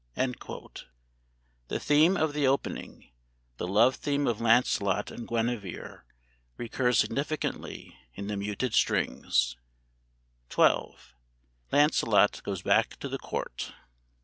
[The theme of the opening (the love theme of Lancelot and Guinevere) recurs significantly in the muted strings.] XII. "LANCELOT GOES BACK TO THE COURT."